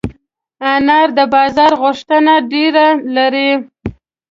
انار د بازار غوښتنه ډېره لري.